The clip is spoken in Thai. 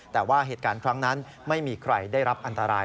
แต่ว่าเหตุการณ์ครั้งนั้นไม่มีใครได้รับอันตราย